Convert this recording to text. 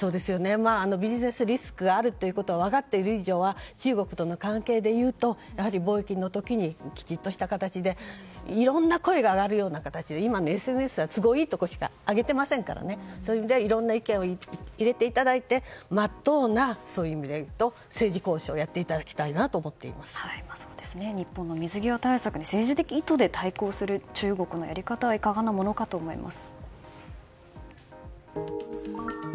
ビジネスリスクがあることは分かっている以上は中国との関係で言うとやはり貿易の時にきちっとした形でいろんな声が上がりますし今のＳＮＳは都合がいいことしか挙げていませんからそういう意味ではいろんな意見を入れていただいてまっとうな政治交渉をやっていただきたいなと日本の水際対策に政治的に対抗する中国のやり方はいかがなものかと思います。